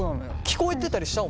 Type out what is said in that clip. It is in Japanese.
聞こえてたりした？